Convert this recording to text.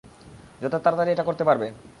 যত তাড়াতাড়ি এটা করতে পারবে।